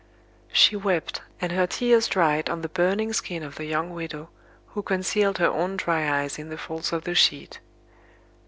She wept, and her tears dried on the burning skin of the young widow, who concealed her own dry eyes in the folds of the sheet.